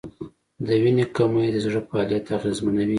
د وینې کمی د زړه فعالیت اغېزمنوي.